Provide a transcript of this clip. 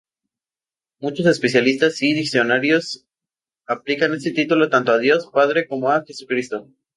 Muchos especialistas y diccionarios aplican este título tanto a Dios Padre como a Jesucristo.